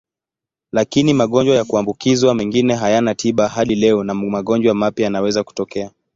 Lakini magonjwa ya kuambukizwa mengine hayana tiba hadi leo na magonjwa mapya yanaweza kutokea.